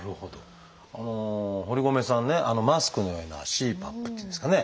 堀米さんねマスクのようなＣＰＡＰっていうんですかね